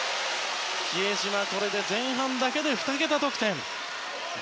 比江島はこれで前半だけで２桁得点。